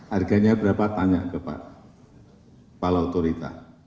harganya berapa tanya kepada pak pak lauturita